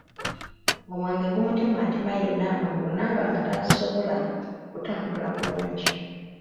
Omwenge gumutematema yenna amagulu naaba nga tasobola kutambula bulungi.